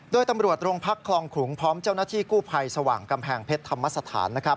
โดยตำรวจโรงพักคลองขลุงพร้อมเจ้าหน้าที่กู้ภัยสว่างกำแพงเพชรธรรมสถาน